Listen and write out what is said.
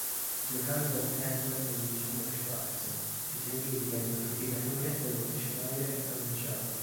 Giocando "Hand" e vincendo "Schwarz", ci si aggiudica il moltiplicatore dello "Schneider" annunciato.